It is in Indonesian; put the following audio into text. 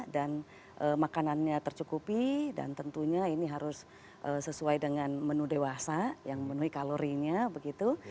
dan makanannya tercukupi dan tentunya ini harus sesuai dengan menu dewasa yang menuhi kalorinya begitu